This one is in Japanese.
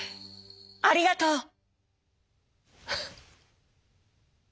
ありがとう！」。